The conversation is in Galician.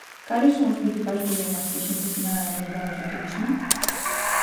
Cales son os principais problemas que a xente sinala derivados do turismo?